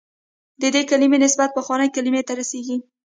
د دې کلمې نسب پخوانۍ کلمې ته رسېږي.